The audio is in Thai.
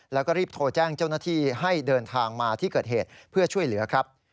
แล้วก็รีบโทรแจ้งเจ้าหน้าที่ให้เดินทางมาที่เกิดเหตุเพื่อช่วยเหลือครับ